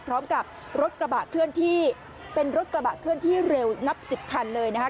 พร้อมกับรถกระบะเคลื่อนที่เป็นรถกระบะเคลื่อนที่เร็วนับสิบคันเลยนะคะ